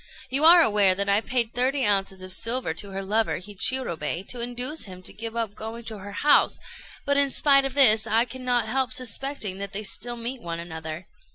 You are aware that I paid thirty ounces of silver to her lover Hichirobei to induce him to give up going to her house; but, in spite of this, I cannot help suspecting that they still meet one another.